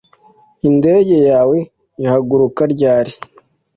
indege yawe ihaguruka ryari